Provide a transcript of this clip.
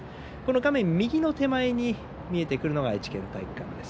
画面、右の手前に見えているのが愛知県体育館です。